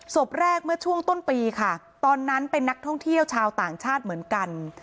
ศพแรกเมื่อช่วงต้นปีค่ะตอนนั้นเป็นนักท่องเที่ยวชาวต่างชาติเหมือนกัน